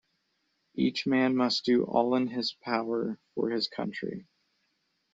Each man must do all in his power for his country.